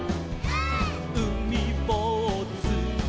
「うみぼうず」「」